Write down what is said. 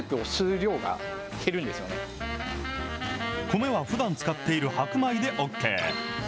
米はふだん使っている白米でＯＫ。